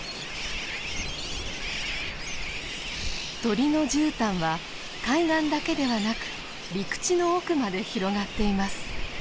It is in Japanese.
鳥のじゅうたんは海岸だけではなく陸地の奥まで広がっています。